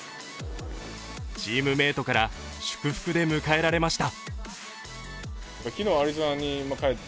チームメートから祝福で迎えられました。